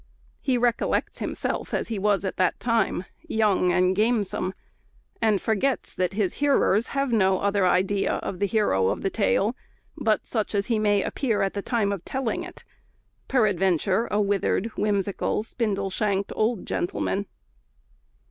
He recollects himself as he was at the time, young and gamesome; and forgets that his hearers have no other idea of the hero of the tale, but such as he may appear at the time of telling it; peradventure, a withered, whimsical, spindle shanked old gentleman.